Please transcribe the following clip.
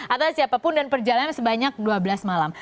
atau siapapun dan perjalanannya sebanyak dua belas malam